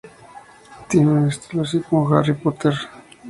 Tiene un estilo así como a "Harry Potter"